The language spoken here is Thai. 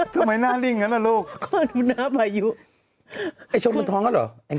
ทำไมหน้าลิ้งนะล่ะโลกค่ะดูหน้าพายุไอ้ชมมันท้องแล้ว